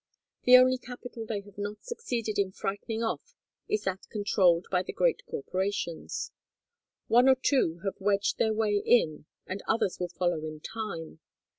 The only capital they have not succeeded in frightening off is that controlled by the great corporations. One or two have wedged their way in and others will follow in time.